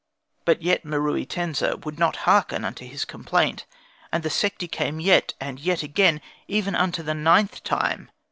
But yet Meruitensa would not hearken unto his complaint; and the Sekhti came yet, and yet again, even unto the ninth time.